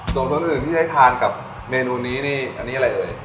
ส่วนคนอื่นที่ให้ทานกับเมนูนี้นี่อันนี้อะไรเอ่ย